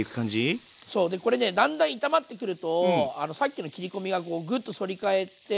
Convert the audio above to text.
そうでこれねだんだん炒まってくるとさっきの切り込みがこうぐっと反り返って。